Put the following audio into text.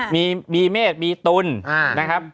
มีเมฆมีตุลนะครับ